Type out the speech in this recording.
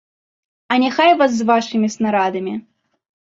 А няхай вас з вашымі снарадамі!